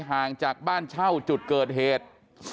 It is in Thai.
ห่างจากบ้านเช่าจุดเกิดเหตุ